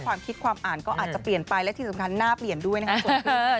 ความคิดความอ่านก็อาจจะเปลี่ยนไปและที่สำคัญหน้าเปลี่ยนด้วยนะครับส่วนเธอ